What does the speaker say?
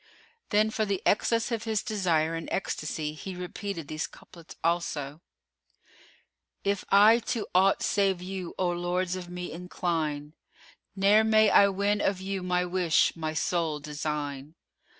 Then for the excess of his desire and ecstasy he repeated these couplets also:— If I to aught save you, O lords of me, incline; * Ne'er may I win of you my wish, my sole design!